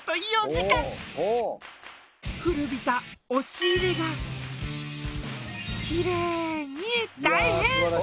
古びた押入れがキレイに大変身！